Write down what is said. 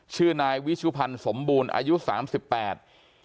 ชื่อนายวิชุพันธ์สมบูรณ์อายุสามสิบแปด